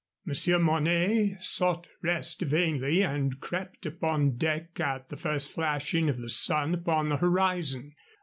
Monsieur Mornay sought rest vainly, and crept upon deck at the first flashing of the sun upon the horizon.